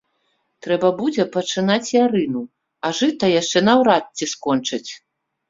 Трэба будзе пачынаць ярыну, а жыта яшчэ наўрад ці скончаць.